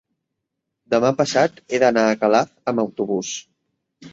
demà passat he d'anar a Calaf amb autobús.